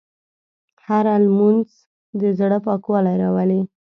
هره لمونځ د زړه پاکوالی راولي.